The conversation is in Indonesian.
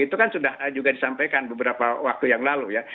itu kan sudah juga disampaikan beberapa waktu yang lalu ya